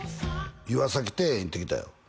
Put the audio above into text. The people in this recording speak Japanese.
岩崎庭園行ってきたよ